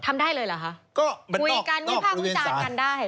ทำได้เลยเหรอคะก็คุยกันวิพากษ์วิจารณ์กันได้